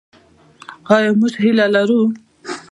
آیا موږ هیله لرو؟